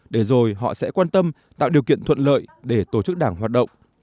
để rồi họ sẽ quan tâm tạo điều kiện thuận lợi để tổ chức đảng hoạt động